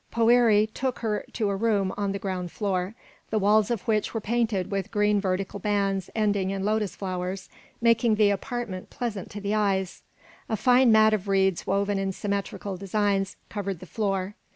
Poëri took her to a room on the ground floor, the walls of which were painted with green vertical bands ending in lotus flowers, making the apartment pleasant to the eye. A fine mat of reeds woven in symmetrical designs covered the floor.